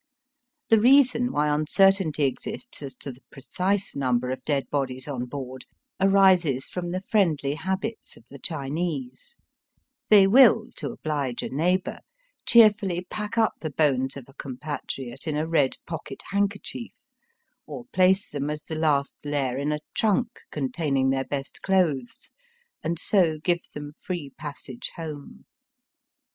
The reason why uncertainty exists as to the precise number of dead bodies on board, arises from the friendly habits of the Chinese, They will, to obhge a neighbour, cheerfully pack up the bones of a compatriot in a red pocket handkerchief, or place them as the last layer in a trunk containing their best clothes, and so give them free passage home.